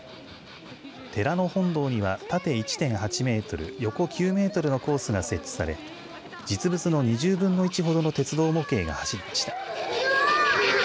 寺の本堂には縦１．８メートル横９メートルのコースが設置され実物の２０分の１ほどの鉄道模型が走りました。